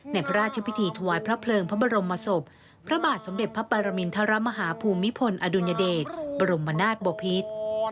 ในพระราชพิธีถวายพระเพลิงพระบรมศพพระบาทสมเด็จพระปรมินทรมาฮาภูมิพลอดุลยเดชบรมนาศบพิษ